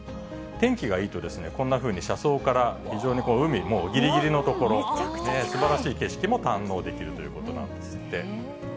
天気がいいと、こんなふうに車窓から、非常に海もうぎりぎりの所、すばらしい景色も堪能できるということなんですって。